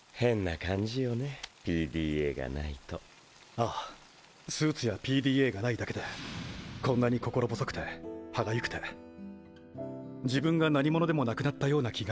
あぁスーツやＰＤＡがないだけでこんなに心細くて歯がゆくて自分が何者でもなくなったような気がするなんて。